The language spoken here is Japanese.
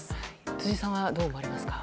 辻さんはどう思われますか？